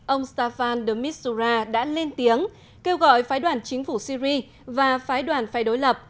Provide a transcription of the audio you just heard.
ông staffan de mistura đã lên tiếng kêu gọi phái đoàn chính phủ syri và phái đoàn phái đối lập